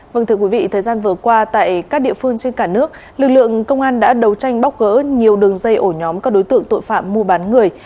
vâng thưa quý vị thời gian vừa qua tại các địa phương trên cả nước lực lượng công an đã đấu tranh bóc gỡ nhiều đường dây ổ nhóm các đối tượng tội phạm mua bán người